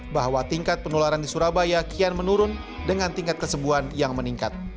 bahwa tingkat penularan di surabaya kian menurun dengan tingkat kesembuhan yang meningkat